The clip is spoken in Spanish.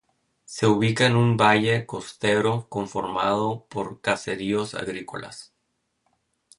Se ubica en un valle costero conformado por caseríos agrícolas.